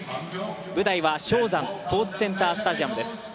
舞台は蕭山スポーツセンタースタジアムです。